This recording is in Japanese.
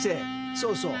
そうそう。